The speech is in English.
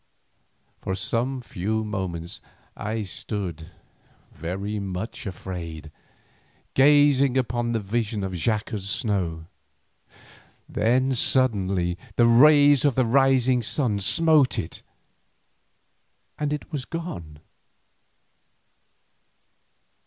For some few moments I stood very much afraid, gazing upon the vision on Xaca's snow, then suddenly the rays of the rising sun smote it and it was gone.